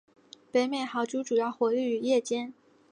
北美豪猪主要活跃于夜间。